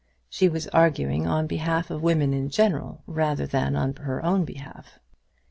She was arguing on behalf of women in general rather than on her own behalf.